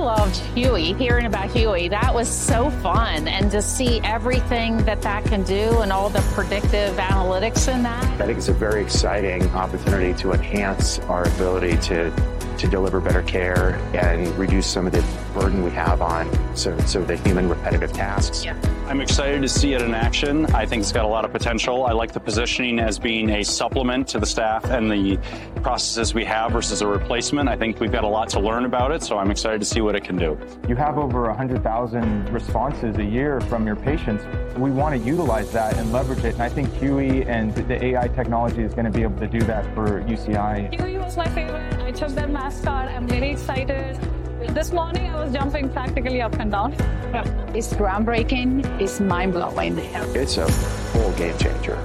I loved Huey, hearing about Huey. That was so fun, and to see everything that that can do and all the predictive analytics in that. I think it's a very exciting opportunity to enhance our ability to deliver better care and reduce some of the burden we have on certain, so the human repetitive tasks. Yeah. I'm excited to see it in action. I think it's got a lot of potential. I like the positioning as being a supplement to the staff and the processes we have versus a replacement. I think we've got a lot to learn about it, so I'm excited to see what it can do. You have over a hundred thousand responses a year from your patients. We wanna utilize that and leverage it, and I think Huey and the AI technology is gonna be able to do that for UCI. Huey was my favorite. I took their mascot. I'm very excited. This morning, I was jumping practically up and down. It's groundbreaking. It's mind-blowing. It's a whole game changer.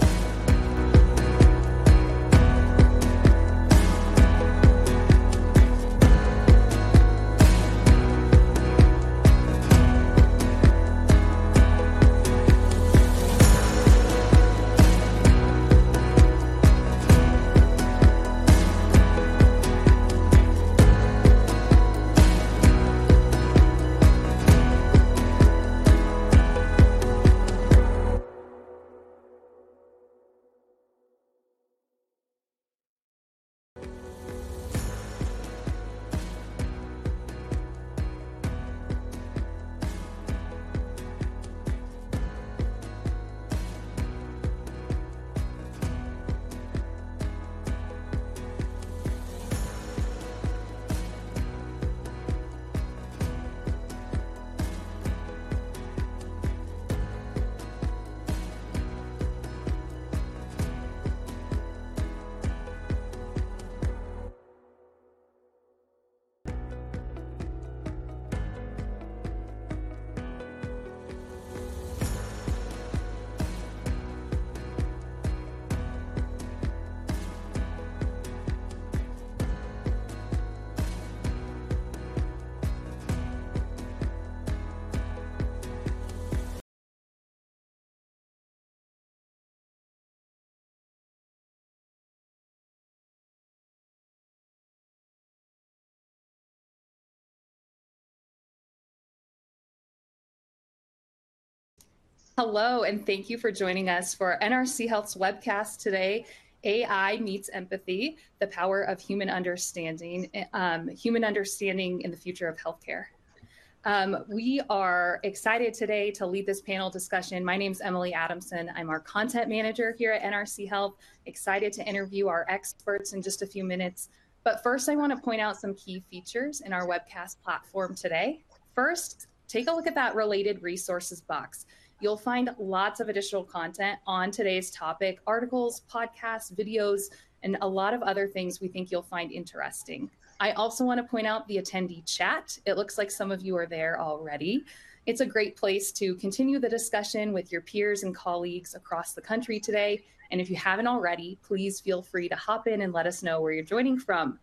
Hello, and thank you for joining us for NRC Health's webcast today, AI Meets Empathy: The Power of Human Understanding in the Future of Healthcare. We are excited today to lead this panel discussion. My name's Emily Adamson. I'm our content manager here at NRC Health. Excited to interview our experts in just a few minutes. But first, I wanna point out some key features in our webcast platform today. First, take a look at that Related Resources box. You'll find lots of additional content on today's topic: articles, podcasts, videos, and a lot of other things we think you'll find interesting. I also wanna point out the attendee chat. It looks like some of you are there already. It's a great place to continue the discussion with your peers and colleagues across the country today, and if you haven't already, please feel free to hop in and let us know where you're joining from.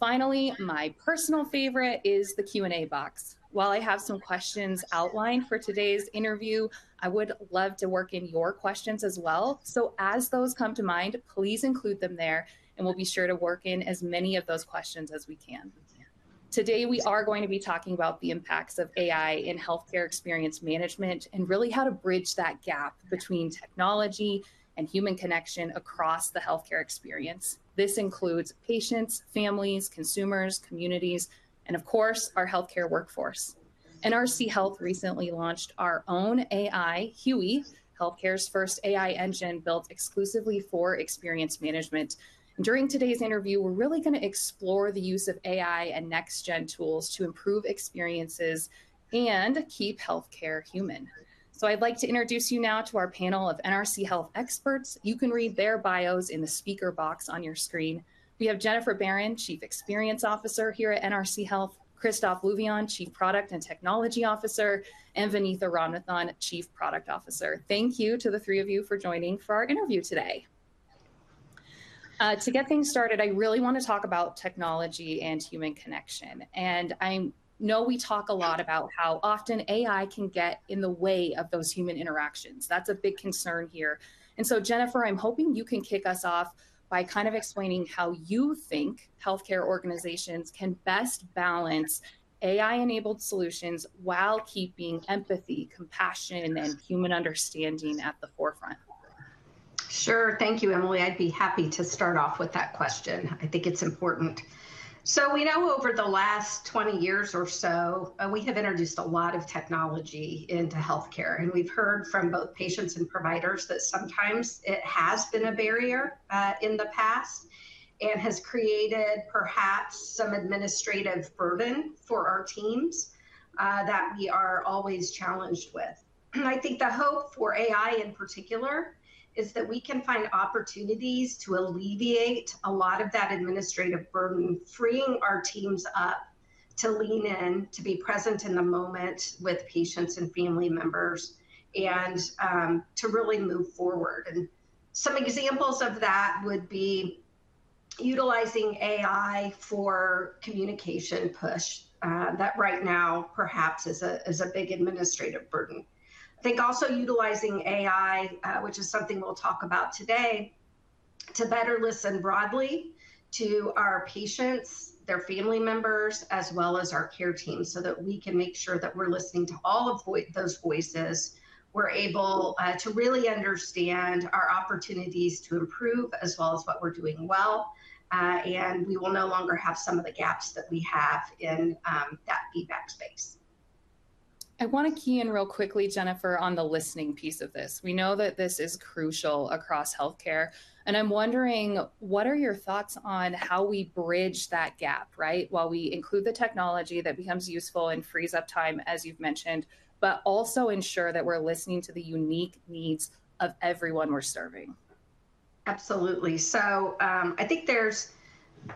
Finally, my personal favorite is the Q&A box. While I have some questions outlined for today's interview, I would love to work in your questions as well. So as those come to mind, please include them there, and we'll be sure to work in as many of those questions as we can. Today, we are going to be talking about the impacts of AI in healthcare experience management, and really how to bridge that gap between technology and human connection across the healthcare experience. This includes patients, families, consumers, communities, and of course, our healthcare workforce. NRC Health recently launched our own AI, Huey, healthcare's first AI engine built exclusively for experience management. During today's interview, we're really gonna explore the use of AI and next gen tools to improve experiences and keep healthcare human. I'd like to introduce you now to our panel of NRC Health experts. You can read their bios in the speaker box on your screen. We have Jennifer Baron, Chief Experience Officer here at NRC Health, Christophe Louvion, Chief Product and Technology Officer, and Vinitha Ramnathan, Chief Product Officer. Thank you to the three of you for joining for our interview today. To get things started, I really wanna talk about technology and human connection. I know we talk a lot about how often AI can get in the way of those human interactions. That's a big concern here. And so, Jennifer, I'm hoping you can kick us off by kind of explaining how you think healthcare organizations can best balance AI-enabled solutions while keeping empathy, compassion, and human understanding at the forefront. Sure. Thank you, Emily. I'd be happy to start off with that question. I think it's important. So we know over the last twenty years or so, we have introduced a lot of technology into healthcare, and we've heard from both patients and providers that sometimes it has been a barrier, in the past and has created perhaps some administrative burden for our teams, that we are always challenged with. I think the hope for AI, in particular, is that we can find opportunities to alleviate a lot of that administrative burden, freeing our teams up to lean in, to be present in the moment with patients and family members, and, to really move forward. And some examples of that would be utilizing AI for communication push, that right now perhaps is a big administrative burden. I think also utilizing AI, which is something we'll talk about today, to better listen broadly to our patients, their family members, as well as our care team, so that we can make sure that we're listening to all of those voices. We're able to really understand our opportunities to improve, as well as what we're doing well, and we will no longer have some of the gaps that we have in that feedback space. I wanna key in real quickly, Jennifer, on the listening piece of this. We know that this is crucial across healthcare, and I'm wondering, what are your thoughts on how we bridge that gap, right? While we include the technology that becomes useful and frees up time, as you've mentioned, but also ensure that we're listening to the unique needs of everyone we're serving. Absolutely. So, I think there's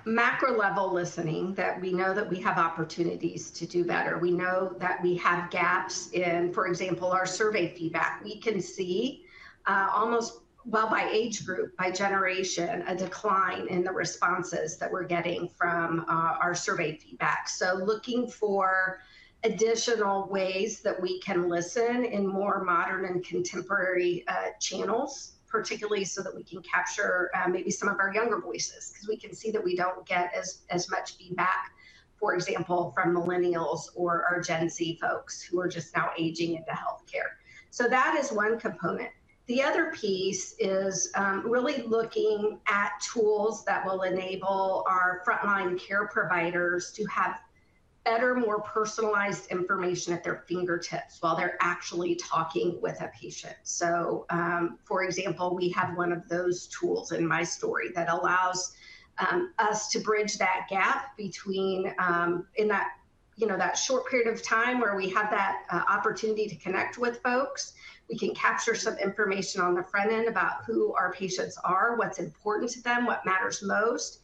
macro-level listening that we know that we have opportunities to do better. We know that we have gaps in, for example, our survey feedback. We can see by age group, by generation, a decline in the responses that we're getting from our survey feedback. So looking for additional ways that we can listen in more modern and contemporary channels, particularly so that we can capture maybe some of our younger voices, 'cause we can see that we don't get as much feedback, for example, from Millennials or our Gen Z folks who are just now aging into healthcare. So that is one component. The other piece is really looking at tools that will enable our frontline care providers to have better, more personalized information at their fingertips while they're actually talking with a patient. So, for example, we have one of those tools in My Story that allows us to bridge that gap between, in that, you know, that short period of time where we have that opportunity to connect with folks, we can capture some information on the front end about who our patients are, what's important to them, what matters most,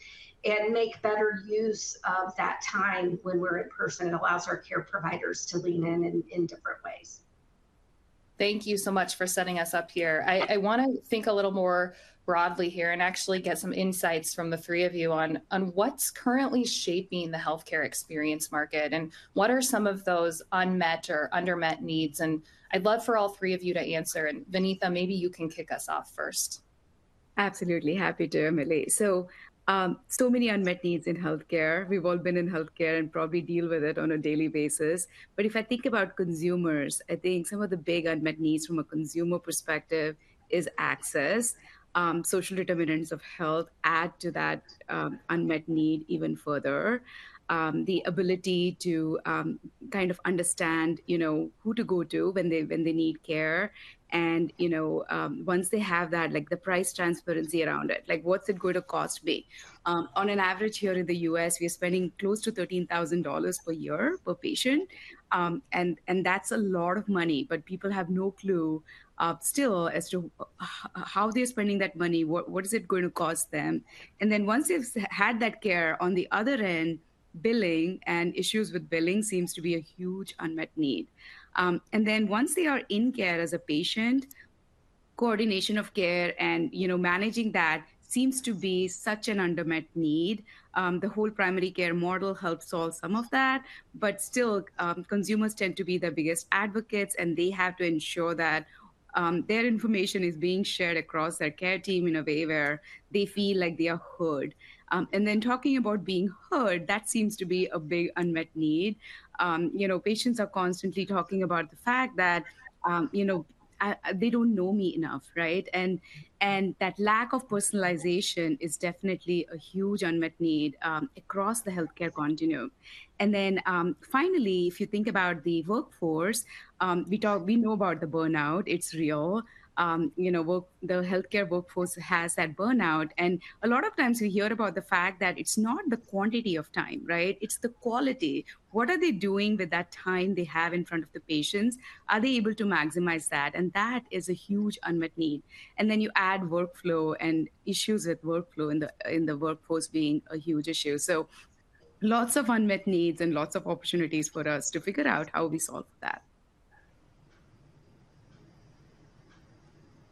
and make better use of that time when we're in person. It allows our care providers to lean in different ways. Thank you so much for setting us up here. I wanna think a little more broadly here and actually get some insights from the three of you on what's currently shaping the healthcare experience market, and what are some of those unmet or undermet needs? And I'd love for all three of you to answer. And Vinitha, maybe you can kick us off first. Absolutely. Happy to, Emily. So, so many unmet needs in healthcare. We've all been in healthcare and probably deal with it on a daily basis. But if I think about consumers, I think some of the big unmet needs from a consumer perspective is access. Social determinants of health add to that, unmet need even further. The ability to, kind of understand, you know, who to go to when they need care and, you know, once they have that, like, the price transparency around it, like, what's it gonna cost me? On an average, here in the U.S., we're spending close to $13,000 per year per patient. And that's a lot of money, but people have no clue, still as to how they're spending that money, what is it going to cost them. And then once they've had that care, on the other end, billing and issues with billing seems to be a huge unmet need. And then once they are in care as a patient, coordination of care and, you know, managing that seems to be such an under-met need. The whole primary care model helps solve some of that, but still, consumers tend to be the biggest advocates, and they have to ensure that, their information is being shared across their care team in a way where they feel like they are heard. And then talking about being heard, that seems to be a big unmet need. You know, patients are constantly talking about the fact that, you know, "They don't know me enough," right? And, and that lack of personalization is definitely a huge unmet need, across the healthcare continuum. And then, finally, if you think about the workforce, we know about the burnout. It's real. You know, the healthcare workforce has that burnout, and a lot of times we hear about the fact that it's not the quantity of time, right? It's the quality. What are they doing with that time they have in front of the patients? Are they able to maximize that? And that is a huge unmet need. And then you add workflow and issues with workflow in the workforce being a huge issue. So lots of unmet needs and lots of opportunities for us to figure out how we solve that.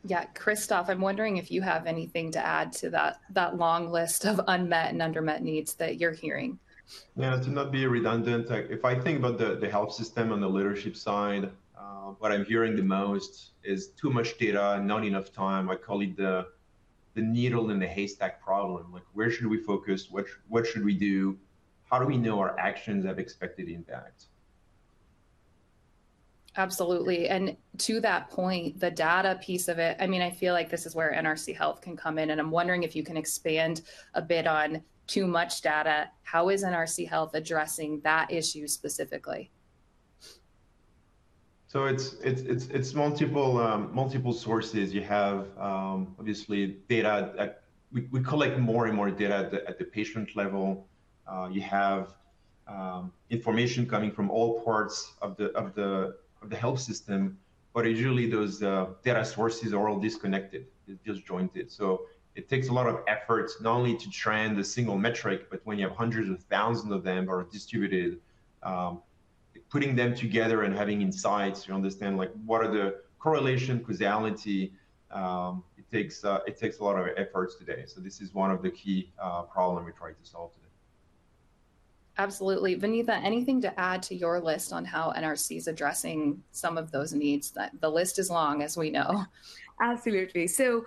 Yeah. Christophe, I'm wondering if you have anything to add to that, that long list of unmet and undermet needs that you're hearing? Yeah, to not be redundant, if I think about the health system on the leadership side, what I'm hearing the most is too much data and not enough time. I call it the needle in the haystack problem. Like, where should we focus? What should we do? How do we know our actions have expected impact? Absolutely. And to that point, the data piece of it, I mean, I feel like this is where NRC Health can come in, and I'm wondering if you can expand a bit on too much data. How is NRC Health addressing that issue specifically? So it's multiple sources. You have obviously data. We collect more and more data at the patient level. You have information coming from all parts of the health system, but usually those data sources are all disconnected, disjointed. So it takes a lot of efforts, not only to trend a single metric, but when you have hundreds of thousands of them are distributed, putting them together and having insights to understand, like, what are the correlation, causality, it takes a lot of efforts today. So this is one of the key problem we're trying to solve today. ... Absolutely. Vinitha, anything to add to your list on how NRC is addressing some of those needs? The list is long, as we know. Absolutely. So,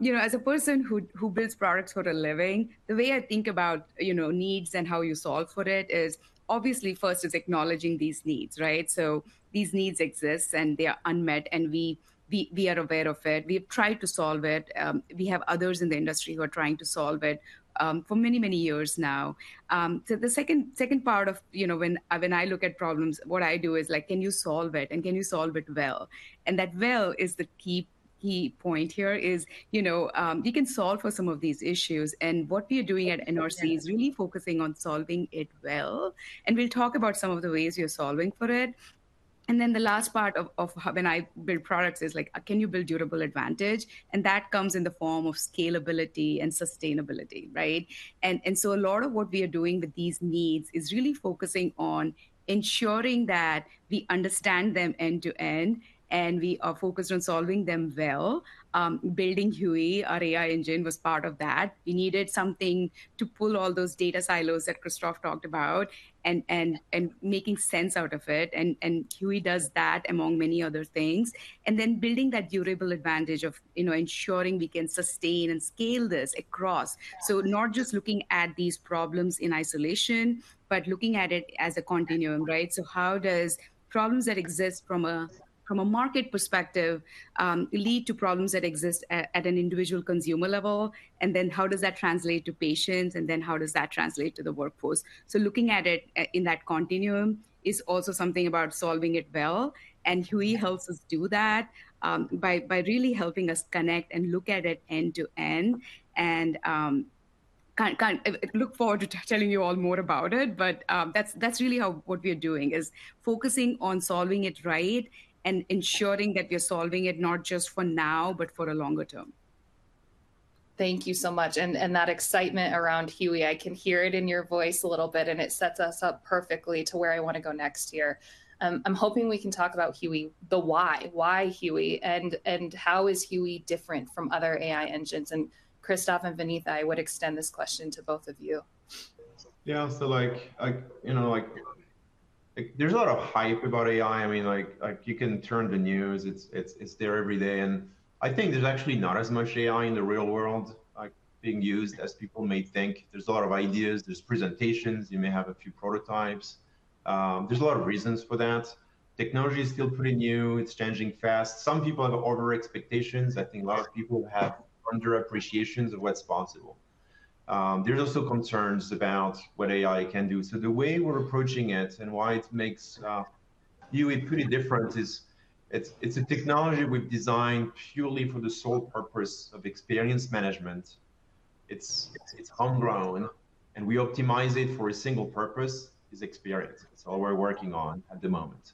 you know, as a person who builds products for a living, the way I think about, you know, needs and how you solve for it is, obviously, first is acknowledging these needs, right? So these needs exist, and they are unmet, and we are aware of it. We have tried to solve it, we have others in the industry who are trying to solve it, for many, many years now. So the second part of, you know, when I look at problems, what I do is like: Can you solve it, and can you solve it well? And that well is the key point here, is, you know, we can solve for some of these issues, and what we are doing at NRC is really focusing on solving it well. And we'll talk about some of the ways we are solving for it. And then the last part of when I build products is like: Can you build durable advantage? And that comes in the form of scalability and sustainability, right? And so a lot of what we are doing with these needs is really focusing on ensuring that we understand them end to end, and we are focused on solving them well. Building Huey, our AI engine, was part of that. We needed something to pull all those data silos that Christophe talked about, and making sense out of it. And Huey does that, among many other things. And then building that durable advantage of, you know, ensuring we can sustain and scale this across. So not just looking at these problems in isolation, but looking at it as a continuum, right? So how does problems that exist from a market perspective lead to problems that exist at an individual consumer level? And then how does that translate to patients, and then how does that translate to the workforce? So looking at it in that continuum is also something about solving it well, and Huey helps us do that by really helping us connect and look at it end to end. And I look forward to telling you all more about it, but that's really how what we are doing is focusing on solving it right and ensuring that we're solving it not just for now, but for a longer term. Thank you so much. And that excitement around Huey, I can hear it in your voice a little bit, and it sets us up perfectly to where I want to go next here. I'm hoping we can talk about Huey, the why. Why Huey, and how is Huey different from other AI engines? And Christophe and Vinitha, I would extend this question to both of you. Yeah. So, like, you know, like, there's a lot of hype about AI. I mean, like, you can turn the news, it's there every day. And I think there's actually not as much AI in the real world, like, being used as people may think. There's a lot of ideas, there's presentations, you may have a few prototypes. There's a lot of reasons for that. Technology is still pretty new, it's changing fast. Some people have over expectations. I think a lot of people have underappreciations of what's possible. There's also concerns about what AI can do. So the way we're approaching it and why it makes Huey pretty different is it's a technology we've designed purely for the sole purpose of experience management. It's homegrown, and we optimize it for a single purpose, is experience. It's all we're working on at the moment,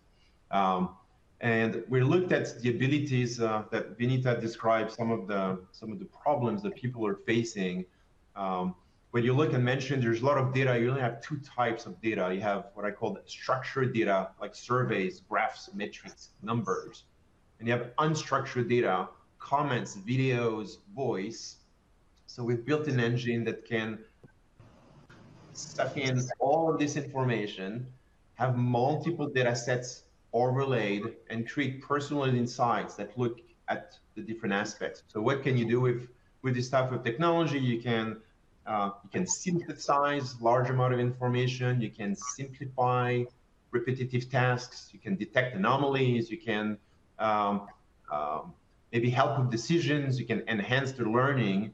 and we looked at the abilities that Vinitha described, some of the problems that people are facing. When you look and mention, there's a lot of data. You only have two types of data. You have what I call the structured data, like surveys, graphs, metrics, numbers, and you have unstructured data: comments, videos, voice. So we've built an engine that can suck in all this information, have multiple data sets overlaid, and create personal insights that look at the different aspects. So what can you do with this type of technology? You can synthesize large amount of information, you can simplify repetitive tasks, you can detect anomalies, you can maybe help with decisions, you can enhance the learning.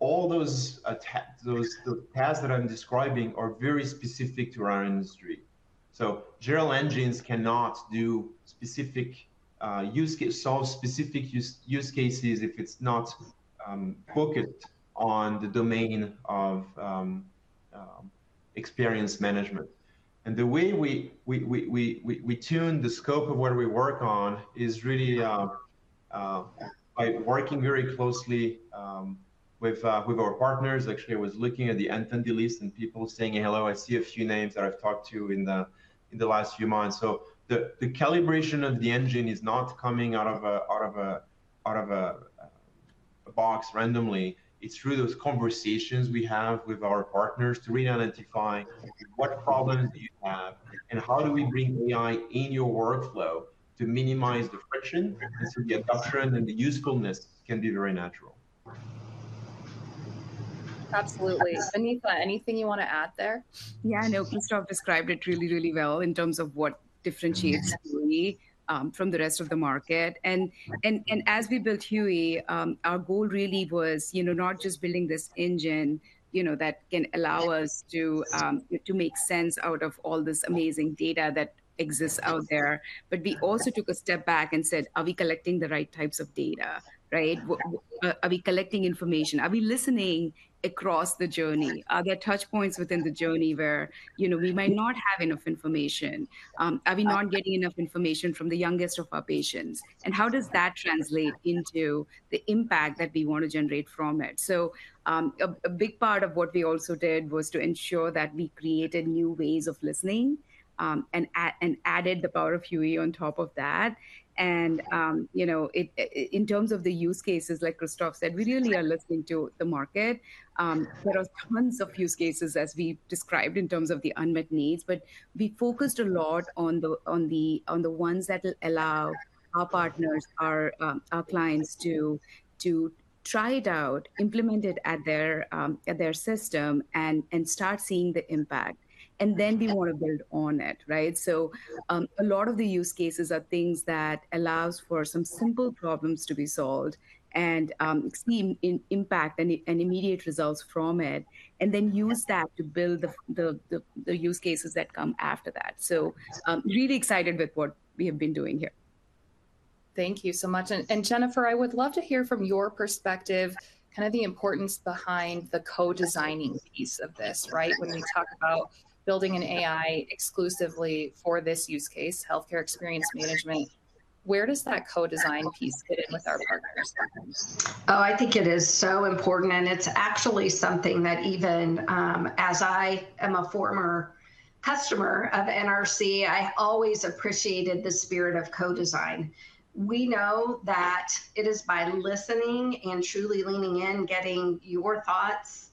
All those, the paths that I'm describing are very specific to our industry. So general engines cannot do specific, solve specific use cases if it's not focused on the domain of experience management. And the way we tune the scope of what we work on is really by working very closely with our partners. Actually, I was looking at the attendee list and people saying hello. I see a few names that I've talked to in the last few months. So the calibration of the engine is not coming out of a box randomly. It's through those conversations we have with our partners to really identify what problems do you have, and how do we bring AI in your workflow to minimize the friction, and so the adoption and the usefulness can be very natural. Absolutely. Vinitha, anything you want to add there? Yeah, no, Christophe described it really, really well in terms of what differentiates Huey from the rest of the market. And as we built Huey, our goal really was, you know, not just building this engine, you know, that can allow us to make sense out of all this amazing data that exists out there, but we also took a step back and said: "Are we collecting the right types of data, right? Are we collecting information? Are we listening across the journey? Are there touch points within the journey where, you know, we might not have enough information? Are we not getting enough information from the youngest of our patients, and how does that translate into the impact that we want to generate from it?" So, a big part of what we also did was to ensure that we created new ways of listening, and added the power of Huey on top of that. You know, in terms of the use cases, like Christophe said, we really are listening to the market. There are tons of use cases as we described in terms of the unmet needs, but we focused a lot on the ones that will allow our partners, our clients to try it out, implement it at their system, and start seeing the impact, and then we want to build on it, right? A lot of the use cases are things that allows for some simple problems to be solved and extreme impact and immediate results from it, and then use that to build the use cases that come after that. I'm really excited with what we have been doing here.... Thank you so much. And, Jennifer, I would love to hear from your perspective, kind of the importance behind the co-designing piece of this, right? When we talk about building an AI exclusively for this use case, healthcare experience management, where does that co-design piece fit in with our partners? Oh, I think it is so important, and it's actually something that even as I am a former customer of NRC, I always appreciated the spirit of co-design. We know that it is by listening and truly leaning in, getting your thoughts,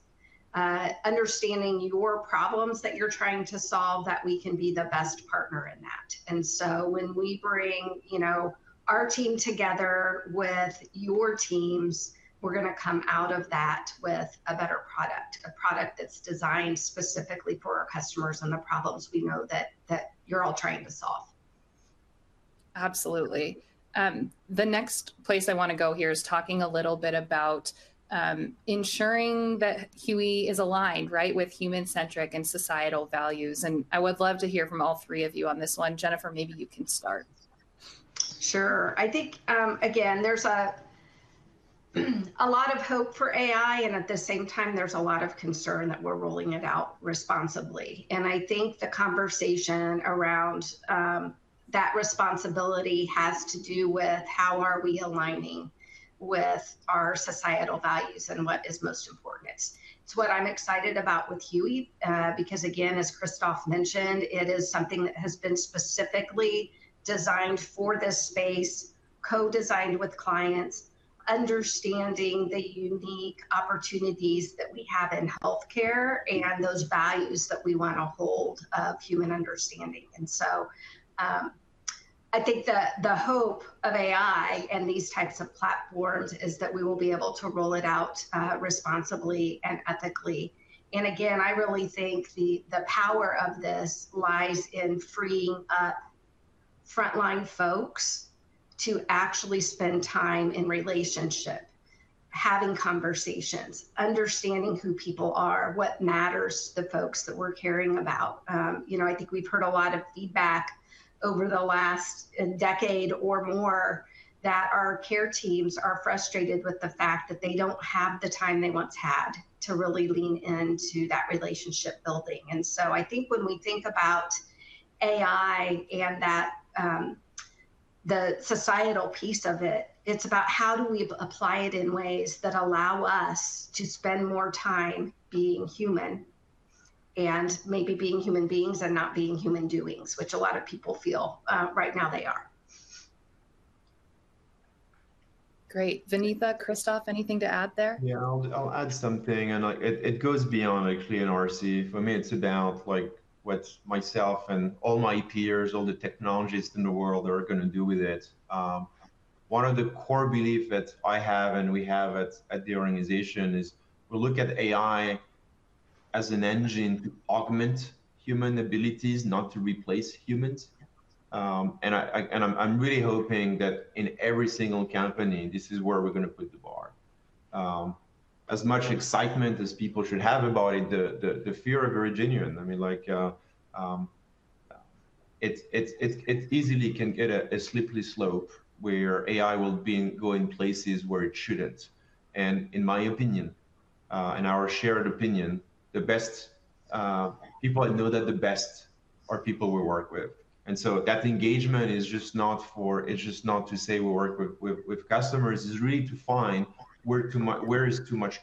understanding your problems that you're trying to solve, that we can be the best partner in that. And so when we bring, you know, our team together with your teams, we're gonna come out of that with a better product, a product that's designed specifically for our customers and the problems we know that you're all trying to solve. Absolutely. The next place I wanna go here is talking a little bit about ensuring that Huey is aligned, right, with human-centric and societal values. And I would love to hear from all three of you on this one. Jennifer, maybe you can start. Sure. I think, again, there's a lot of hope for AI, and at the same time, there's a lot of concern that we're rolling it out responsibly, and I think the conversation around that responsibility has to do with: How are we aligning with our societal values and what is most important? It's what I'm excited about with Huey, because again, as Christophe mentioned, it is something that has been specifically designed for this space, co-designed with clients, understanding the unique opportunities that we have in healthcare, and those values that we wanna hold of human understanding, and so I think the hope of AI and these types of platforms is that we will be able to roll it out responsibly and ethically. And again, I really think the power of this lies in freeing up frontline folks to actually spend time in relationship, having conversations, understanding who people are, what matters to the folks that we're caring about. You know, I think we've heard a lot of feedback over the last decade or more that our care teams are frustrated with the fact that they don't have the time they once had to really lean into that relationship building. And so I think when we think about AI and that, the societal piece of it, it's about: How do we apply it in ways that allow us to spend more time being human, and maybe being human beings and not being human doings, which a lot of people feel right now they are? Great. Vinitha, Christophe, anything to add there? Yeah, I'll add something, and it goes beyond actually NRC. For me, it's about, like, what myself and all my peers, all the technologists in the world are gonna do with it. One of the core belief that I have, and we have at the organization, is we look at AI as an engine to augment human abilities, not to replace humans, and I'm really hoping that in every single company, this is where we're gonna put the bar. As much excitement as people should have about it, the fear is very genuine. I mean, like, it easily can get a slippery slope where AI will be going places where it shouldn't, and in my opinion, in our shared opinion, the best. People I know that the best are people we work with, and so that engagement is just not—it's just not to say we work with customers. It's really to find where is too much.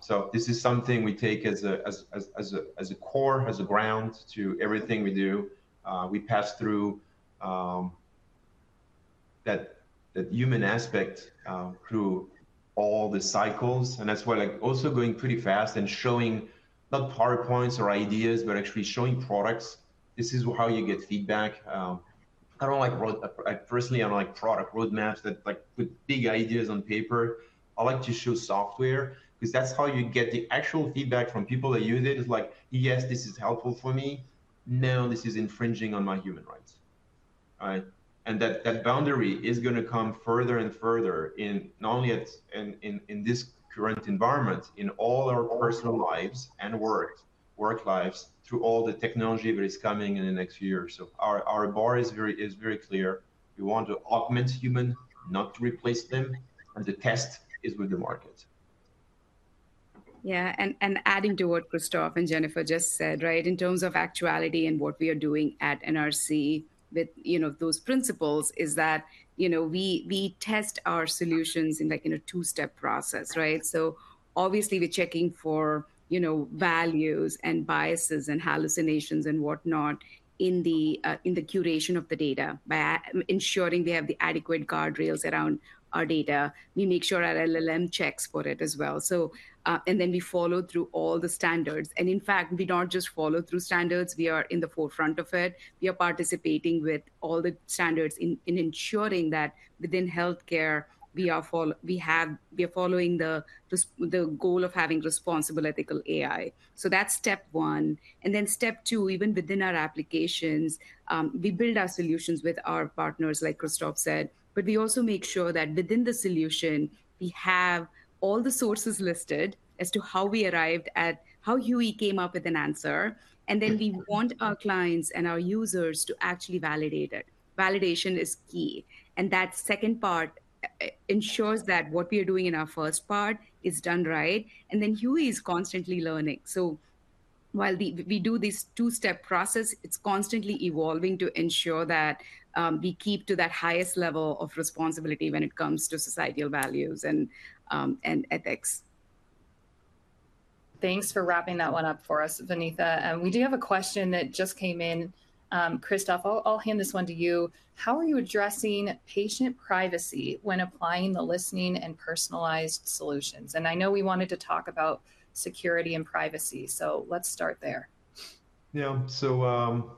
So this is something we take as a core ground to everything we do. We pass through that human aspect through all the cycles, and that's why, like, also going pretty fast and showing not PowerPoints or ideas, but actually showing products. This is how you get feedback. I personally don't like product roadmaps that, like, put big ideas on paper. I like to show software, because that's how you get the actual feedback from people that use it. It's like: "Yes, this is helpful for me. No, this is infringing on my human rights." All right? And that boundary is gonna come further and further in not only in this current environment, in all our personal lives and work lives, through all the technology that is coming in the next few years. So our bar is very clear. We want to augment human, not to replace them, and the test is with the market. Yeah, and adding to what Christophe and Jennifer just said, right, in terms of actuality and what we are doing at NRC with, you know, those principles, is that, you know, we test our solutions in, like, a two-step process, right? So obviously, we're checking for, you know, values and biases and hallucinations and whatnot in the curation of the data. By ensuring we have the adequate guardrails around our data, we make sure our LLM checks for it as well. And then we follow through all the standards. In fact, we don't just follow through standards, we are in the forefront of it. We are participating with all the standards in ensuring that within healthcare, we are following the goal of having responsible, ethical AI. So that's step one. And then step two, even within our applications, we build our solutions with our partners, like Christophe said, but we also make sure that within the solution, we have all the sources listed as to how we arrived at how Huey came up with an answer, and then we want our clients and our users to actually validate it. Validation is key. And that second part ensures that what we are doing in our first part is done right, and then Huey is constantly learning. So while we do this two-step process, it's constantly evolving to ensure that we keep to that highest level of responsibility when it comes to societal values and ethics. Thanks for wrapping that one up for us, Vinitha. We do have a question that just came in. Christophe, I'll hand this one to you. How are you addressing patient privacy when applying the listening and personalized solutions? And I know we wanted to talk about security and privacy, so let's start there. Yeah. So,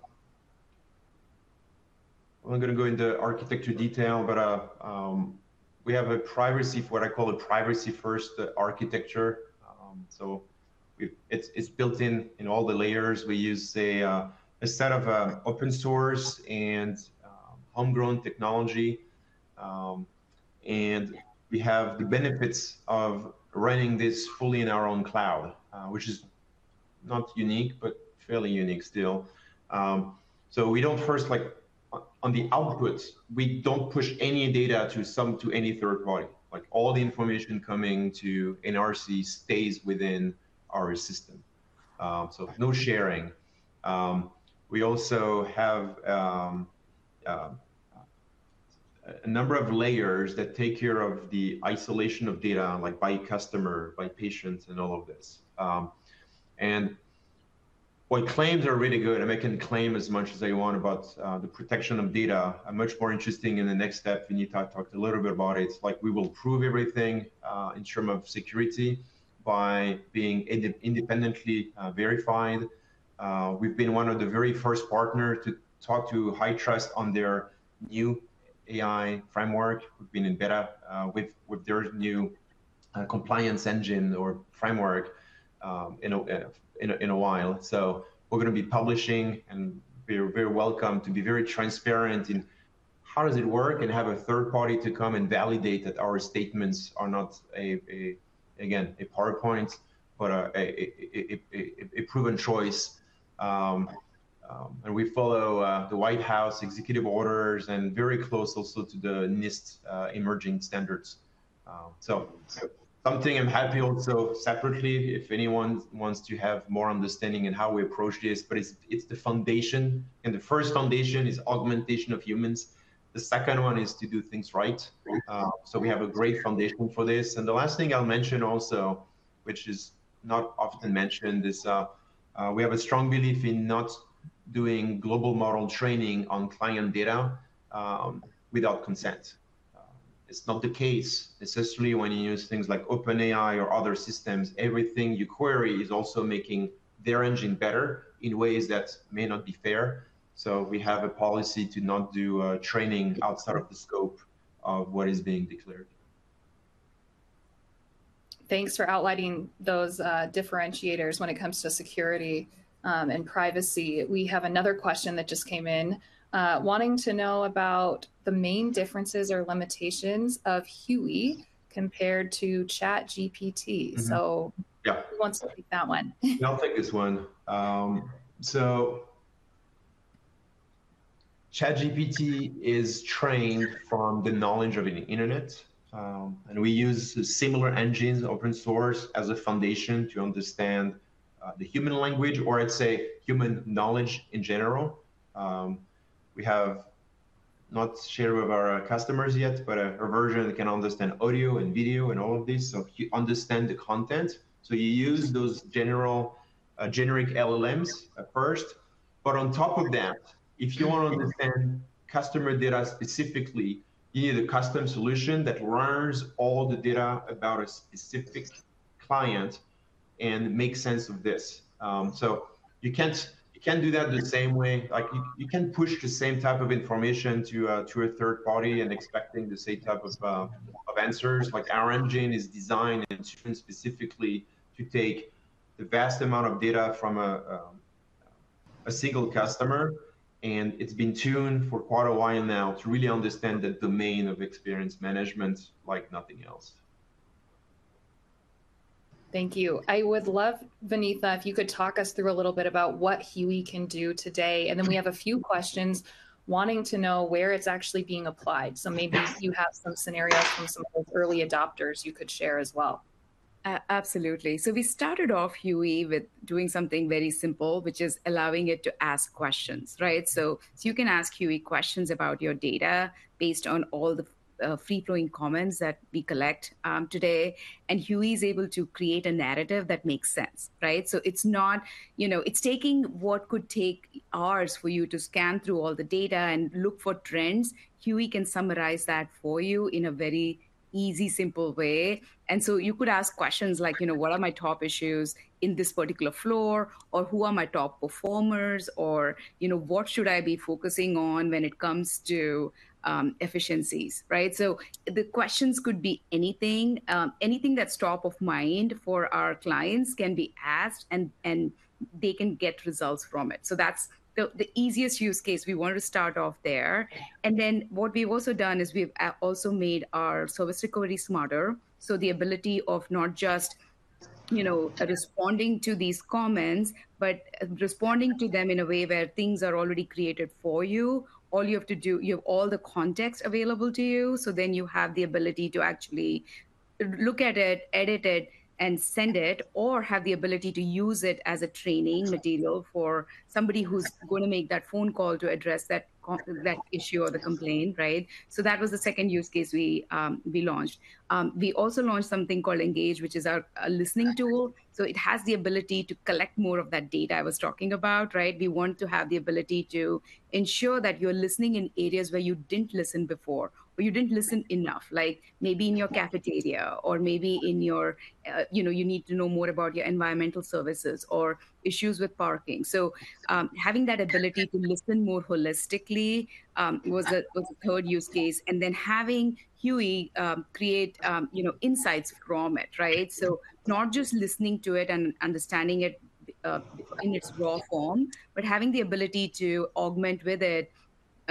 I'm not gonna go into architecture detail, but, we have a privacy, what I call a privacy first architecture. So it's built in all the layers. We use a set of open source and homegrown technology. And we have the benefits of running this fully in our own cloud, which is not unique, but fairly unique still. So, first, like, on the outputs, we don't push any data to any third party. Like, all the information coming to NRC stays within our system. So no sharing. We also have a number of layers that take care of the isolation of data, like by customer, by patients, and all of this. And while claims are really good, and they can claim as much as they want about the protection of data, a much more interesting in the next step, Vinitha talked a little bit about it, it's like we will prove everything in terms of security by being independently verified. We've been one of the very first partner to talk to HITRUST on their new AI framework. We've been in beta with their new compliance engine or framework in a while. So we're gonna be publishing, and we're very welcome to be very transparent in how does it work, and have a third party to come and validate that our statements are not again a PowerPoint, but a proven choice. And we follow the White House executive orders and very close also to the NIST emerging standards. So something I'm happy also separately, if anyone wants to have more understanding in how we approach this, but it's the foundation, and the first foundation is augmentation of humans. The second one is to do things right. So we have a great foundation for this. And the last thing I'll mention also, which is not often mentioned, is we have a strong belief in not doing global model training on client data without consent. It's not the case, especially when you use things like OpenAI or other systems. Everything you query is also making their engine better in ways that may not be fair. So we have a policy to not do training outside of the scope of what is being declared. Thanks for outlining those differentiators when it comes to security and privacy. We have another question that just came in wanting to know about the main differences or limitations of Huey compared to ChatGPT. Mm-hmm. Yeah. So who wants to take that one? I'll take this one, so ChatGPT is trained from the knowledge of the internet, and we use similar engines, open source, as a foundation to understand the human language, or I'd say human knowledge in general. We have not shared with our customers yet, but a version that can understand audio and video and all of this, so you understand the content, so you use those general, generic LLMs at first, but on top of that, if you want to understand customer data specifically, you need a custom solution that learns all the data about a specific client and makes sense of this, so you can't, you can't do that the same way. Like, you, you can't push the same type of information to a third party and expecting the same type of answers. Like, our engine is designed and tuned specifically to take the vast amount of data from a, a single customer, and it's been tuned for quite a while now to really understand the domain of experience management like nothing else. Thank you. I would love, Vinitha, if you could talk us through a little bit about what Huey can do today, and then we have a few questions wanting to know where it's actually being applied. So maybe you have some scenarios from some of those early adopters you could share as well. Absolutely. So we started off Huey with doing something very simple, which is allowing it to ask questions, right? So, so you can ask Huey questions about your data based on all the free-flowing comments that we collect today, and Huey is able to create a narrative that makes sense, right? So it's not, you know... It's taking what could take hours for you to scan through all the data and look for trends, Huey can summarize that for you in a very easy, simple way. And so you could ask questions like, you know, "What are my top issues in this particular floor?" Or, "Who are my top performers?" Or, you know, "What should I be focusing on when it comes to efficiencies?" Right? So the questions could be anything. Anything that's top of mind for our clients can be asked, and they can get results from it. So that's the easiest use case. We wanted to start off there, and then what we've also done is we've also made our service recovery smarter, so the ability of not just you know, responding to these comments, but responding to them in a way where things are already created for you. All you have to do, you have all the context available to you, so then you have the ability to actually look at it, edit it, and send it, or have the ability to use it as a training material for somebody who's going to make that phone call to address that issue or the complaint, right, so that was the second use case we launched. We also launched something called nGage, which is our a listening tool. So it has the ability to collect more of that data I was talking about, right? We want to have the ability to ensure that you're listening in areas where you didn't listen before, or you didn't listen enough, like maybe in your cafeteria, or maybe in your you know, you need to know more about your environmental services or issues with parking. So, having that ability to listen more holistically was a third use case. And then having Huey create you know, insights from it, right? So not just listening to it and understanding it, in its raw form, but having the ability to augment with it,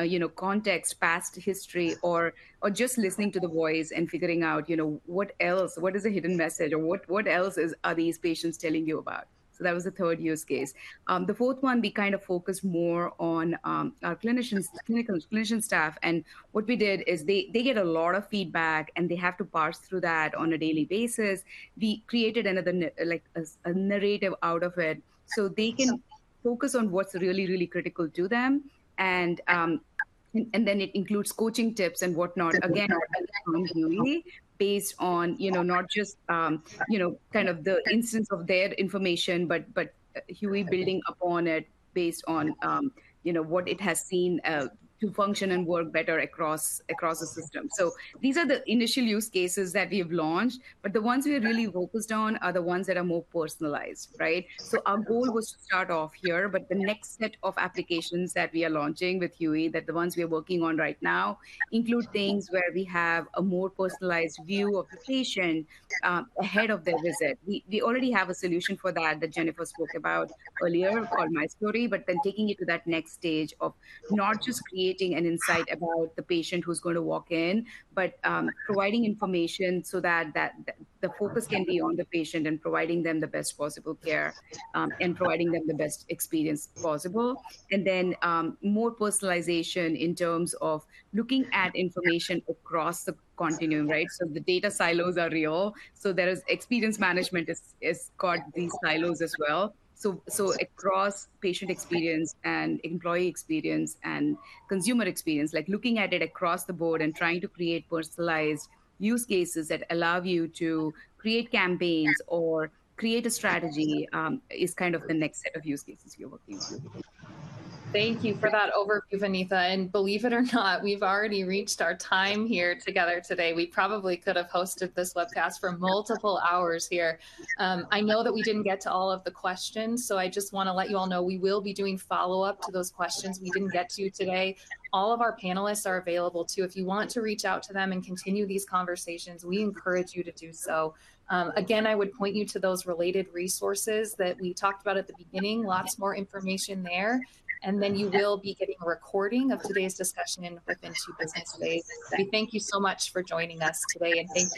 you know, context, past history, or just listening to the voice and figuring out, you know, what else, what is the hidden message, or what, what else are these patients telling you about? So that was the third use case. The fourth one, we kind of focused more on, our clinicians, clinician staff, and what we did is they get a lot of feedback, and they have to parse through that on a daily basis. We created another like a narrative out of it, so they can focus on what's really, really critical to them. And, and then it includes coaching tips and whatnot. Again, from Huey, based on, you know, not just, you know, kind of the instance of their information, but Huey building upon it based on, you know, what it has seen, to function and work better across the system. So these are the initial use cases that we have launched, but the ones we are really focused on are the ones that are more personalized, right? So our goal was to start off here, but the next set of applications that we are launching with Huey, that the ones we are working on right now, include things where we have a more personalized view of the patient, ahead of their visit. We already have a solution for that Jennifer spoke about earlier, called My Story, but then taking it to that next stage of not just creating an insight about the patient who's going to walk in, but providing information so that the focus can be on the patient and providing them the best possible care and providing them the best experience possible, and then more personalization in terms of looking at information across the continuum, right? So the data silos are real, so experience management is caught in silos as well. So across patient experience and employee experience and consumer experience, like looking at it across the board and trying to create personalized use cases that allow you to create campaigns or create a strategy is kind of the next set of use cases we are working on. Thank you for that overview, Vinitha. And believe it or not, we've already reached our time here together today. We probably could have hosted this webcast for multiple hours here. I know that we didn't get to all of the questions, so I just want to let you all know we will be doing follow-up to those questions we didn't get to today. All of our panelists are available, too. If you want to reach out to them and continue these conversations, we encourage you to do so. Again, I would point you to those related resources that we talked about at the beginning. Lots more information there. And then you will be getting a recording of today's discussion within two business days. We thank you so much for joining us today, and thank you-